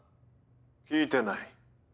聞いてない。